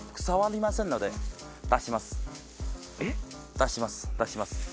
出します出します。